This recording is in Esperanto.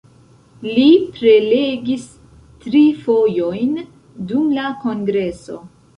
Li prelegis tri fojojn dum la kongreso.